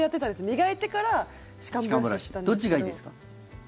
磨いてからどっちがいいですか？